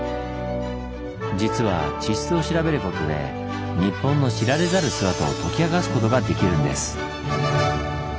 実は地質を調べることで日本の知られざる姿を解き明かすことができるんです。